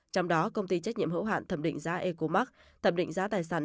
trong đó công ty trách nhiệm hỗ hạn thẩm định giá ecomark thẩm định giá tài sản